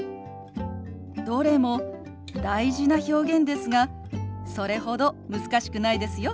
どれも大事な表現ですがそれほど難しくないですよ。